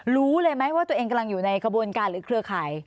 รู้เลยไหมว่าตัวเองกำลังอยู่ในกระบวนการหรือเครือข่าย